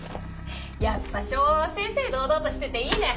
やっぱ昭和は正々堂々としてていいね。